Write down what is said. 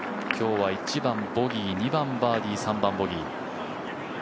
今日は１番ボギー、２番バーディー、３番ボギー。